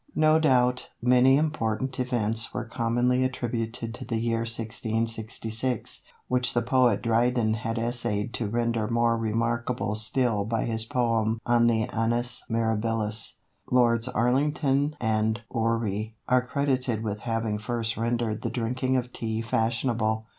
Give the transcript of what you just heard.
No doubt, many important events were commonly attributed to the year 1666, which the poet Dryden had essayed to render more remarkable still by his poem on the Annus Mirabilis. Lords Arlington and Orrery are credited with having first rendered the drinking of Tea fashionable.